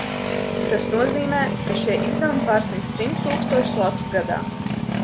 Un tas nozīmē, ka šie izdevumi pārsniegs simt tūkstošus latus gadā.